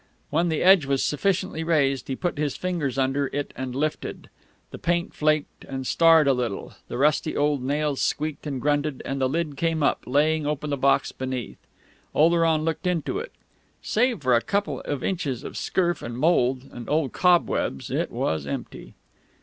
When the edge was sufficiently raised he put his fingers under it and lifted. The paint flaked and starred a little; the rusty old nails squeaked and grunted; and the lid came up, laying open the box beneath. Oleron looked into it. Save for a couple of inches of scurf and mould and old cobwebs it was empty.